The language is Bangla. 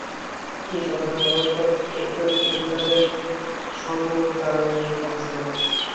তিনি ছদ্মনাম ব্যবহার করতেন ও মহিলাদের সমতায়ণে অগ্রসর হন।